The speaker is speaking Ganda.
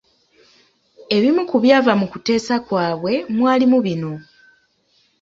Ebimu ku byava mu kuteesa kwabwe mwalimu bino: